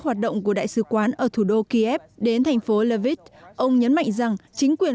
hoạt động của đại sứ quán ở thủ đô kiev đến thành phố lviv ông nhấn mạnh rằng chính quyền